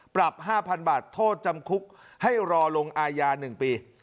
ปรับ๕๐๐๐บาทโทษจำคุกให้รอลงอายา๑ปี